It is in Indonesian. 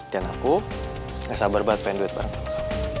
dan aku gak sabar banget pengen duit bareng kamu